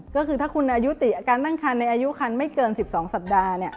ก็คือถ้าคุณอายุติการตั้งคันไม่เกิน๑๒สัปดาห์